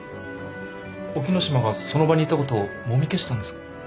沖野島がその場にいたことをもみ消したんですか？